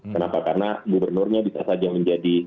kenapa karena gubernurnya bisa saja menjadi